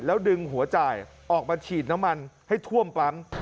แล้วดึงหัวจ่ายออกมาฉีดน้ำมันให้ท่วมปั๊ม